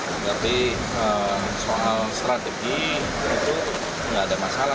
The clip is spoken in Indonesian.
tetapi soal strategi itu nggak ada masalah